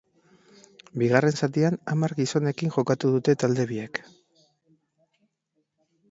Bigarren zatian hamar gizonekin jokatu dute talde biek.